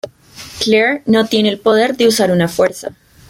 Claire no tiene el poder de usar una Fuerza.